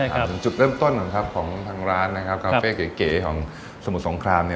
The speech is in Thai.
ถึงจุดเริ่มต้นของทางร้านนะครับกาเฟ่เก๋ของสมุทรสงคราม